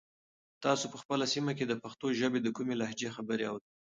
تاسو په خپله سیمه کې د پښتو ژبې د کومې لهجې خبرې اورئ؟